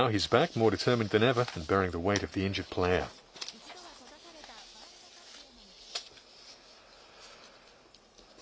一度は閉ざされたワールドカップへの道。